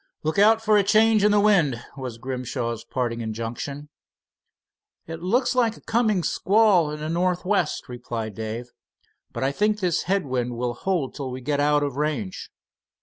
"Look out for a change in the wind," was Grimshaw's parting injunction. "It looks like a coming squall in the northwest," replied Dave; "but I think this head wind will hold till we get out of range.